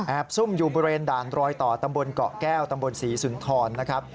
ซุ่มอยู่บริเวณด่านรอยต่อตำบลเกาะแก้วตำบลศรีสุนทรนะครับ